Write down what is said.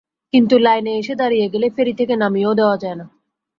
কিন্তু লাইনে এসে দাঁড়িয়ে গেলে ফেরি থেকে নামিয়েও দেওয়া যায় না।